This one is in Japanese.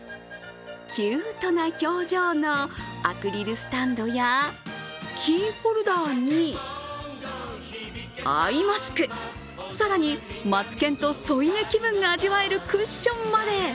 キュートな表情のアクリルスタンドやキーホルダーに、アイマスク、更にマツケンと添い寝気分が味わえるクッションまで。